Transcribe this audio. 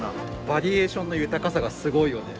バリエーションの豊かさがすごいよね。